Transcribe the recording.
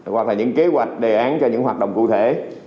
hoặc là những kế hoạch đề án cho những hoạt động cụ thể